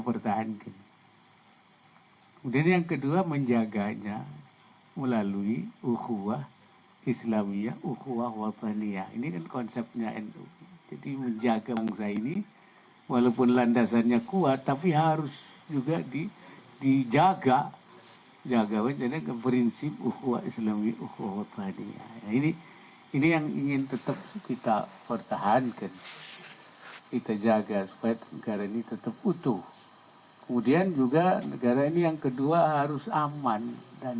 pertahankan kita jaga supaya negara ini tetap utuh kemudian juga negara ini yang kedua harus aman dan